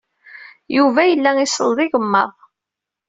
Yuba yella iselleḍ igmaḍ.